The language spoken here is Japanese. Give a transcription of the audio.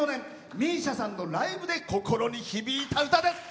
ＭＩＳＩＡさんのライブで心に響いた歌です。